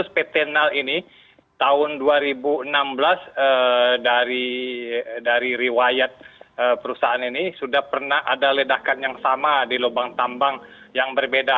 pt nal ini tahun dua ribu enam belas dari riwayat perusahaan ini sudah pernah ada ledakan yang sama di lubang tambang yang berbeda